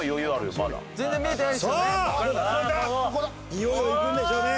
いよいよいくんでしょうね。